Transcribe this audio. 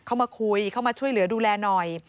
เข้ามาคุยเข้ามาช่วยเหลือดูแลหน่อย